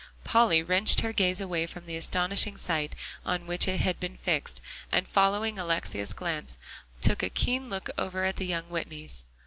Polly wrenched her gaze away from the astonishing sight on which it had been fixed, and following Alexia's glance, took a keen look over at the young Whitneys.